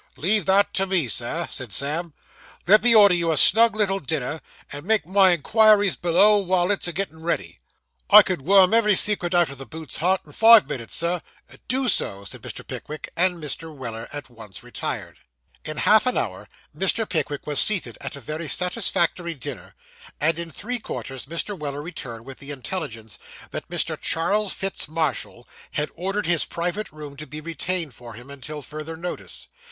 'Leave that to me, Sir,' said Sam. 'Let me order you a snug little dinner, and make my inquiries below while it's a getting ready; I could worm ev'ry secret out O' the boots's heart, in five minutes, Sir.' Do so,' said Mr. Pickwick; and Mr. Weller at once retired. In half an hour, Mr. Pickwick was seated at a very satisfactory dinner; and in three quarters Mr. Weller returned with the intelligence that Mr. Charles Fitz Marshall had ordered his private room to be retained for him, until further notice.